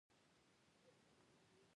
دغه کار تر هغه وخته پورې دوام کوي.